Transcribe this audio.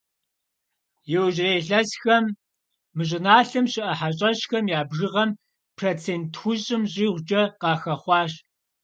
Иужьрей илъэсхэм мы щӀыналъэм щыӀэ хьэщӀэщхэм я бжыгъэм процент тхущӏым щӀигъукӀэ къахэхъуащ.